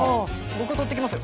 僕が取ってきますよ。